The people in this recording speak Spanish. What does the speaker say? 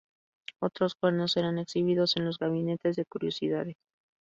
Otros cuernos eran exhibidos en los gabinetes de curiosidades.